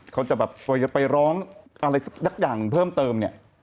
เขาจะไปร้องอะไรสักอย่างเพิ่มเติม